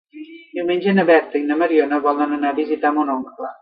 Diumenge na Berta i na Mariona volen anar a visitar mon oncle.